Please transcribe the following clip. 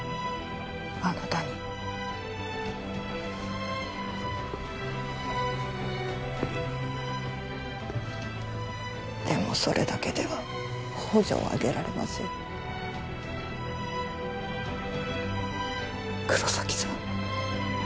あなたにでもそれだけでは宝条を挙げられません黒崎さん